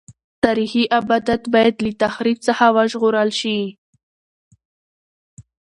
تاریخي ابدات باید له تخریب څخه وژغورل شي.